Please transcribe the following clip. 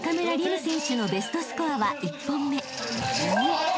夢選手のベストスコアは１本目］